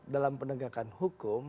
dalam penegakan hukum